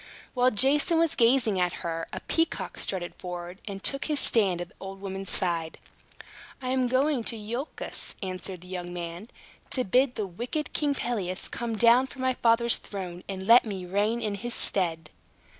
While Jason was gazing at her, a peacock strutted forward, and took his stand at the old woman's side. "I am going to Iolchos," answered the young man, "to bid the wicked King Pelias come down from my father's throne, and let me reign in his stead."